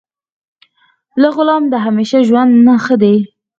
له غلام د همیشه ژوند نه ښه دی.